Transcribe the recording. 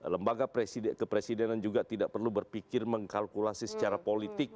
lembaga kepresidenan juga tidak perlu berpikir mengkalkulasi secara politik